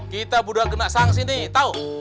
kita berdua kena sanksi nih tau